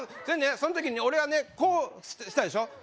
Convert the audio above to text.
今その時に俺はねこうしたでしょ